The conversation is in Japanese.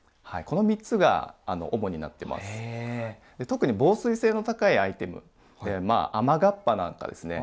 特に防水性の高いアイテムまあ雨がっぱなんかですね